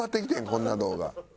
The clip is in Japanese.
こんな動画。